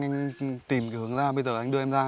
anh tìm cái hướng ra bây giờ anh đưa em ra